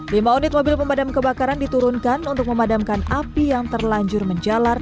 lima unit mobil pemadam kebakaran diturunkan untuk memadamkan api yang terlanjur menjalar